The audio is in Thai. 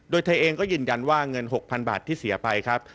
โดยเธอเองก็ยืนยันว่าเงิน๖๐๐๐บาทที่เสียไปครับ